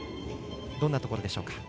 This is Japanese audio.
どんなところでしょうか？